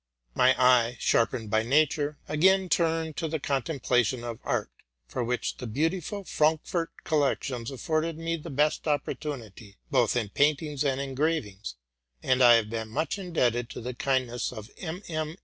My eye, sharpened by nature, again turned to the contemplation of art, for which the beautiful Frankfort collections afforded me the best opportunity, both in paintings and engravings ; and I have been much indebted to the kindness of MM.